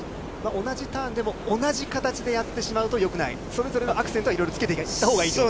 同じターンでも同じ形でやってしまうとよくない、それぞれのアクセントはいろいろつけていったほうがいいという。